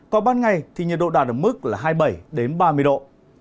còn ban ngày thì nhiệt độ đạt được mức là hai mươi bảy đến ba mươi độ